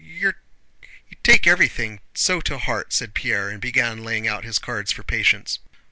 You take everything so to heart," said Pierre, and began laying out his cards for patience.